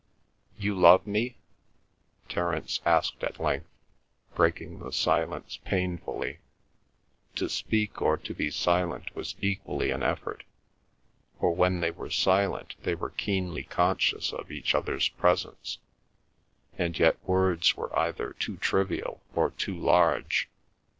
"You love me?" Terence asked at length, breaking the silence painfully. To speak or to be silent was equally an effort, for when they were silent they were keenly conscious of each other's presence, and yet words were either too trivial or too large.